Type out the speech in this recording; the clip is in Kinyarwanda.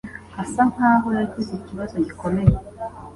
Asa nkaho yagize ikibazo gikomeye.